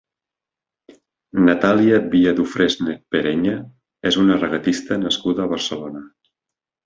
Natàlia Via-Dufresne Pereña és una regatista nascuda a Barcelona.